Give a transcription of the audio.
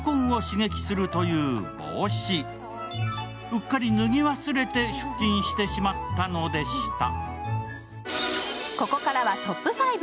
うっかり脱ぎ忘れて出勤してしまったのでした。